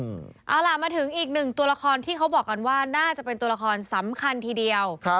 เอาล่ะมาถึงอีกหนึ่งตัวละครที่เขาบอกกันว่าน่าจะเป็นตัวละครสำคัญทีเดียว